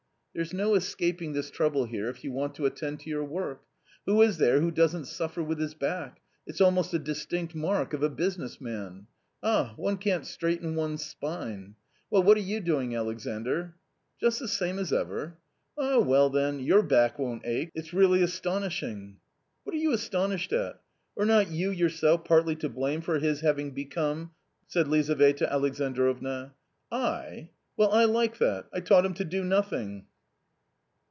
"There's no escaping this trouble here if you want to attend to your work. Who is there who doesn't suffer with his back ? It's almost a distinct mark of a business man ; ah, one can't straighten one's spine ! Well, what are you doing, Alexandr." " Just the same as ever." "Ah, well, then your back won't ache. It's really astonishing !"" What are you astonished at ; are not you yourself partly to blame for his having become " said Lizaveta Alexandrovna. " I ? well, I like that ! I taught him to do nothing